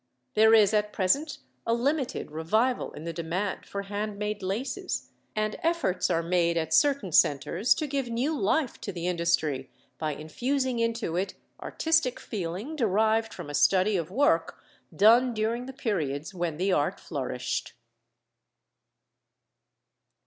There is at present a limited revival in the demand for hand made laces, and efforts are made at certain centres to give new life to the industry by infusing into it artistic feeling derived from a study of work done during the periods when the art flourished.